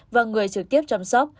và người trực tiếp chăm sóc